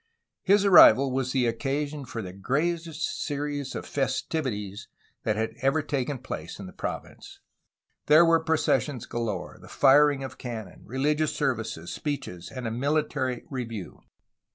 His arrival was the occasion for the greatest series of festivi ties that had ever taken place in the province. There were processions galore, the firing of cannon, religious services, speeches, and a military review.